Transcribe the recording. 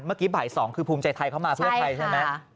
บ่าย๒คือภูมิใจไทยเข้ามาเพื่อไทยใช่ไหม